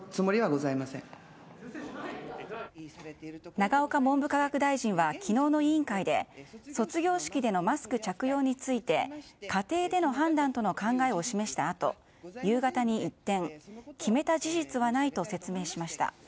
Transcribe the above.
永岡文部科学大臣は昨日の委員会で卒業式でのマスク着用について家庭での判断との考えを示したあと夕方に一転、決めた事実はないと説明しました。